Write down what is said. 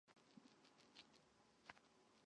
硫化是对橡胶性能进行改良的一种过程。